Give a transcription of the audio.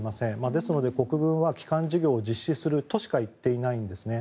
ですので、国軍は帰還事業を実施するとしか言っていないんです。